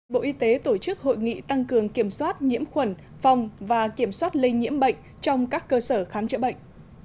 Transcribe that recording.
bộ y tế tổ chức hội nghị tăng cường kiểm soát nhiễm khuẩn phòng và kiểm soát lây nhiễm bệnh trong các cơ sở khám chữa bệnh